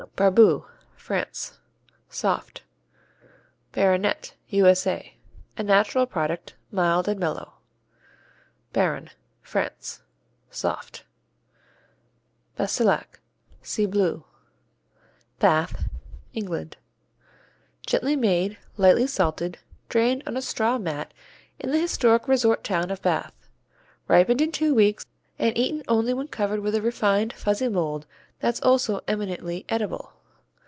Barboux France Soft. Baronet U.S.A. A natural product, mild and mellow. Barron France Soft. Bassillac see Bleu. Bath England Gently made, lightly salted, drained on a straw mat in the historic resort town of Bath. Ripened in two weeks and eaten only when covered with a refined fuzzy mold that's also eminently edible.